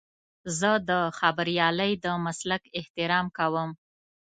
زه د خبریالۍ د مسلک احترام کوم.